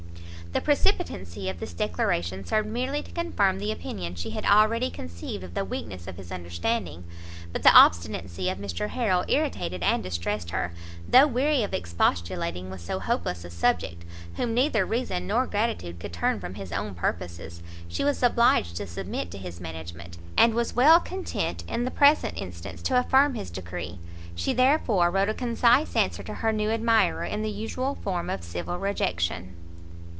The precipitancy of this declaration served merely to confirm the opinion she had already conceived of the weakness of his understanding; but the obstinacy of Mr Harrel irritated and distressed her, though weary of expostulating with so hopeless a subject, whom neither reason nor gratitude could turn from his own purposes, she was obliged to submit to his management, and was well content, in the present instance, to affirm his decree. She therefore wrote a concise answer to her new admirer, in the usual form of civil rejection.